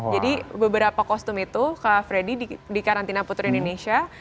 jadi beberapa kostum itu kak freddy di karantina putri indonesia